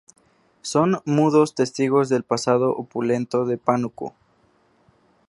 Son mudos testigos del pasado opulento de Pánuco.